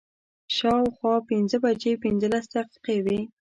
شا او خوا پنځه بجې پنځلس دقیقې وې.